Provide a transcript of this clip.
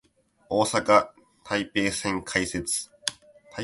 大阪・台北線開設